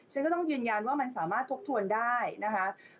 ฉันก็ต้องยืนยันว่ามันสามารถทบทวนได้นะคะ